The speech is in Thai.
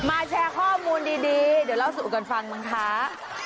แชร์ข้อมูลดีเดี๋ยวเล่าสู่กันฟังมั้งคะ